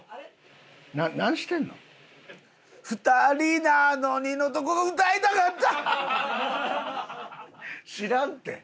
「２人なのに」のとこ歌いたかった！